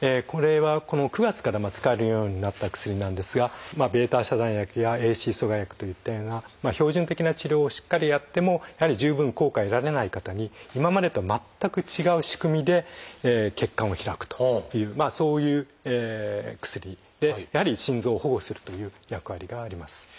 これはこの９月から使えるようになった薬なんですがβ遮断薬やＡＣＥ阻害薬といったような標準的な治療をしっかりやっても十分効果得られない方に今までと全く違う仕組みで血管を開くというそういう薬でやはり心臓を保護するという役割があります。